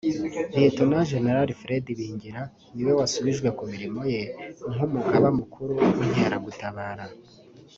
Lt General Fred Ibingira niwe wasubijwe ku mirimo ye nk’Umugaba Mukuru w’Inkeragutabara